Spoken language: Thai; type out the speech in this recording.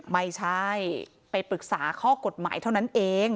ไม่ใช่ไปปรึกษาข้อกฎหมายเท่านั้นเอง